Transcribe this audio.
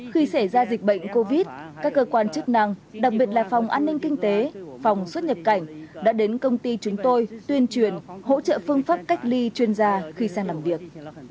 khi xảy ra dịch bệnh covid các cơ quan chức năng đặc biệt là phòng an ninh kinh tế phòng xuất nhập cảnh đã đến công ty chúng tôi tuyên truyền hỗ trợ phương pháp cách ly chuyên gia khi sang làm việc